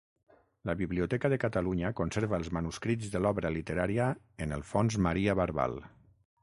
La Biblioteca de Catalunya conserva els manuscrits de l'obra literària en el Fons Maria Barbal.